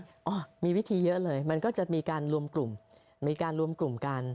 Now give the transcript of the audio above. โอมันก็จะมีวิธีเยอะเลยมันมีการรวมกลุ่มกากลัน